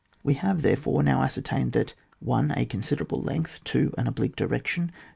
We have, therefore, now ascertained that^ 1. A considerable length, 2. An oblique direction, 3.